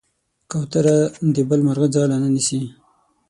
کوتره د بل مرغه ځاله نه نیسي.